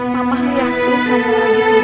mama lihat kum kalau lagi tidur